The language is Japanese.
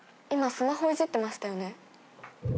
今スマホいじってましたよね？